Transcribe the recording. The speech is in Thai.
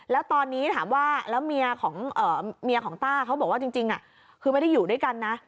แล้วตอนนี้ถามว่าแล้วเมียของต้าเขาบอกว่าจริงคือไม่ได้อยู่ด้วยกันนะ